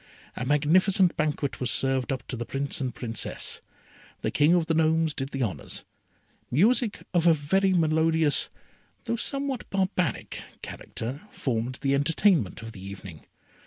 A magnificent banquet was served up to the Prince and Princess. The King of the Gnomes did the honours. Music of a very melodious, though somewhat barbaric, character, formed the entertainment of the evening.